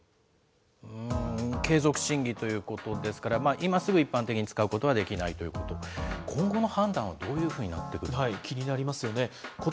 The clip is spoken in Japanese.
継続審議ということですから、今すぐ一般的に使うことはできないということ、今後の判断はどういうふうになってくるんですか。